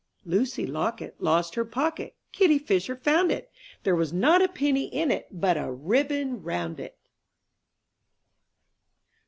Lucy Locket lost her pocket; Kittie Fisher found it; There was not a penny in it, But a ribbon round it!